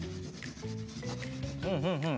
うんうんうん。